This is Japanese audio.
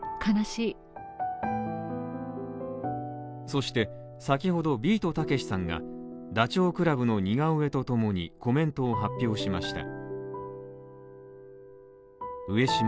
そして、先ほどビートたけしさんがダチョウ倶楽部の似顔絵とともにコメントを発表しました。